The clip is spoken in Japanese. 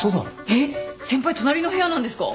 えっ先輩隣の部屋なんですか？